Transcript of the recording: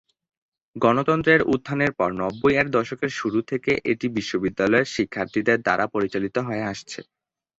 গণতন্ত্রের উত্থানের পর, নব্বই এর দশকের শুরু থেকে এটি বিশ্ববিদ্যালয়ের শিক্ষার্থীদের দ্বারা পরিচালিত হয়ে আসছে।